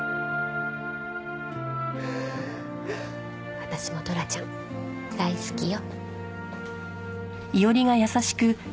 私もトラちゃん大好きよ。